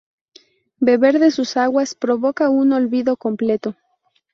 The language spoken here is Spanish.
Beber de sus aguas provocaba un olvido completo.